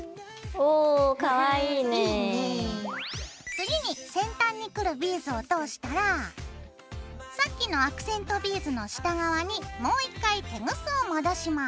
次に先端に来るビーズを通したらさっきのアクセントビーズの下側にもう１回テグスを戻します。